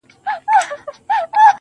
نن شپه بيا زه پيغور ته ناسته يمه.